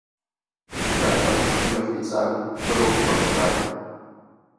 Wieder einmal, so möchte ich sagen, überwog die Heuchelei.